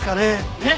ねっ？